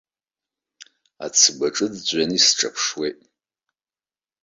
Ацгәы аҿы ӡәӡәаны исҿаԥшуеит.